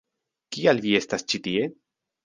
Kial vi estas ĉi tie?